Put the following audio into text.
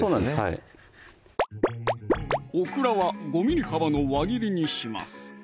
はいオクラは５ｍｍ幅の輪切りにします